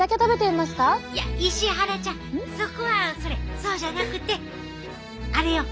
いや石原ちゃんそこはそれそうじゃなくてあれよ。